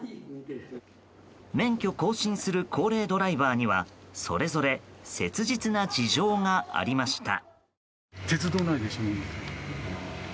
免許更新する高齢ドライバーにはそれぞれ切実な事情がありました。